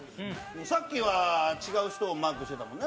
さっきは違う人をマークしてたもんね。